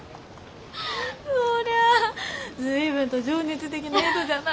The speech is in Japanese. そりゃあ随分と情熱的な人じゃな。